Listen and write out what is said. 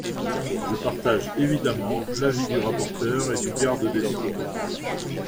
Je partage évidemment l’avis du rapporteur et du garde des sceaux.